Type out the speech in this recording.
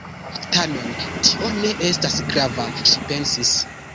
"Tamen tio ne esta grava," ŝi pensis.